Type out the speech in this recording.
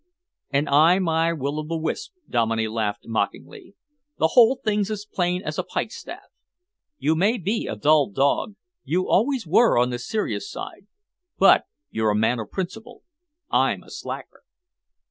"And I my will o' the wisp," Dominey laughed mockingly. "The whole thing's as plain as a pikestaff. You may be a dull dog you always were on the serious side but you're a man of principle. I'm a slacker."